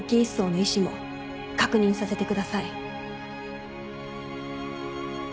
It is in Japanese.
１曹の意思も確認させてください。